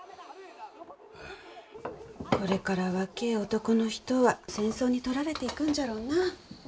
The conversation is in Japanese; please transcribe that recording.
これから若え男の人は戦争に取られていくんじゃろうなあ。